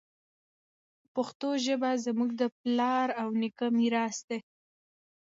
پښتو ژبه زموږ د پلار او نیکه میراث دی.